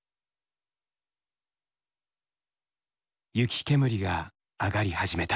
雪煙があがり始めた。